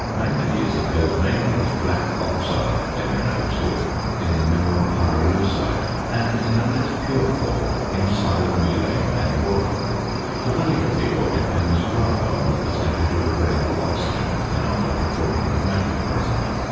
Manganese occurs mainly as black oxide (MnO_) in the mineral pyrolusite; and, in a less pure form, in psilomelane and wad. The value of the ore depends rather on the percentage of available oxygen than on the proportion of metal present.